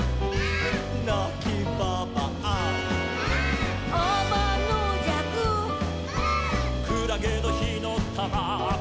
「なきばばあ」「」「あまのじゃく」「」「くらげのひのたま」「」